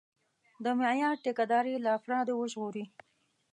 د معیار ټیکهداري له افرادو وژغوري.